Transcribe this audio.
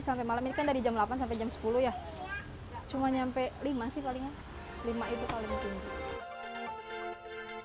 sampai malam ini kan dari jam delapan sampai jam sepuluh ya cuma nyampe lima sih paling lima itu paling tinggi